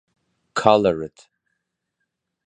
Colored.